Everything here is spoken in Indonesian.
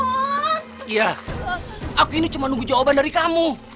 iya aku ini cuma nunggu jawaban dari kamu